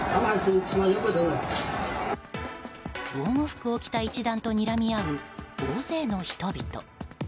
防護服を着た一団とにらみ合う大勢の人々。